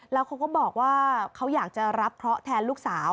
แล้วเขาก็บอกว่าเขาอยากจะรับเคราะห์แทนลูกสาว